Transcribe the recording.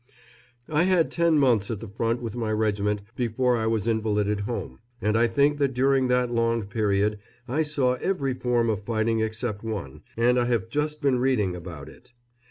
] I had ten months at the front with my regiment before I was invalided home, and I think that during that long period I saw every form of fighting except one, and I have just been reading about it.